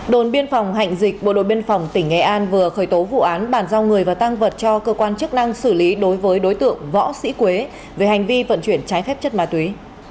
đồn biên phòng hạnh dịch bộ đội biên phòng tỉnh nghệ an vừa khởi tố vụ án bàn giao người và tăng vật cho cơ quan chức năng xử lý đối với đối tượng võ sĩ quế về hành vi vận chuyển trái phép chất ma túy